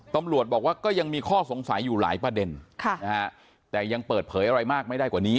ตำรวจบอกว่าก็ยังมีข้อสงสัยอยู่หลายประเด็นแต่ยังเปิดเผยอะไรมากไม่ได้กว่านี้